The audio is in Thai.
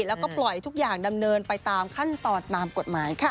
แล้วก็ปล่อยทุกอย่างดำเนินไปตามขั้นตอนตามกฎหมายค่ะ